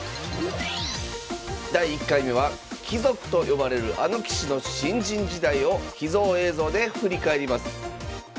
第１回目は貴族と呼ばれるあの棋士の新人時代を秘蔵映像で振り返ります。